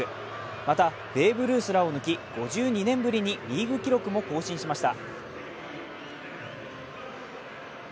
またベーブ・ルースらを抜き、５２年ぶりにリーグ記録も更新しました。